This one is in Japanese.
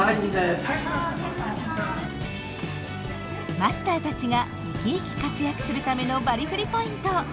マスターたちが生き生き活躍するためのバリフリポイント。